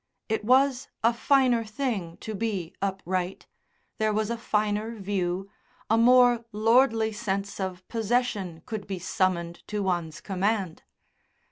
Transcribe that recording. It was a finer thing to be upright; there was a finer view, a more lordly sense of possession could be summoned to one's command.